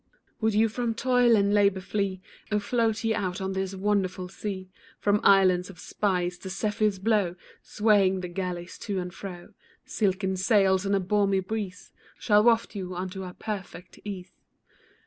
Would you from toil and labor flee, Oh float ye out on this wonderful sea, From islands of spice the zephyrs blow, Swaying the galleys to and fro; Silken sails and a balmy breeze Shall waft you unto a perfect ease.